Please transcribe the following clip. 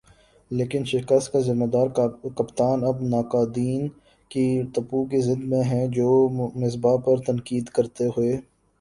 لیکن شکست کا "ذمہ دار" کپتان اب ناقدین کی توپوں کی زد میں ہے جو مصباح پر تنقید کرتے ہوئے